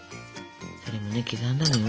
それもね刻んだのよ